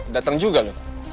dateng juga lu